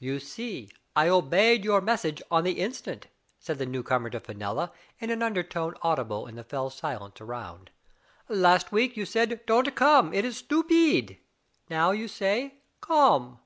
"You seel I obeyed your message on the instant," said the newcomer to Fenella, in an undertone, audible in the fell silence around. "Last week you said don't come — it is stupeed. Now you say, come